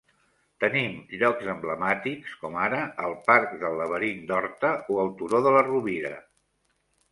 Tenim llocs emblemàtics com ara el parc del Laberint d'Horta o el Turó de la Rovira.